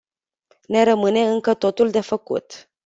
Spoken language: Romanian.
Ne rămâne încă totul de făcut.